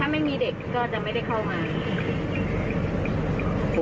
ไม่มีเด็กก็จะไม่ได้เข้ามา